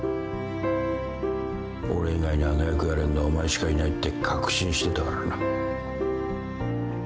俺以外にあの役やれんのはお前しかいないって確信してたからな。